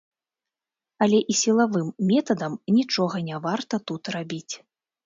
Але і сілавым метадам нічога не варта тут рабіць.